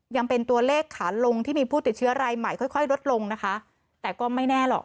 ยังเป็นตัวเลขขาลงที่มีผู้ติดเชื้อรายใหม่ค่อยค่อยลดลงนะคะแต่ก็ไม่แน่หรอก